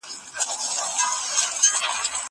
سفر وکړه!